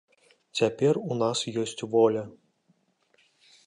Цяпер у нас ёсць воля.